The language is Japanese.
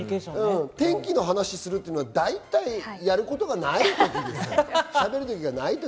天気の話をするのは大体やることがないときです。